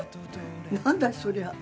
何だそりゃ。